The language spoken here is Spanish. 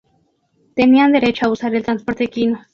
Tenían derecho a usar el transporte equino.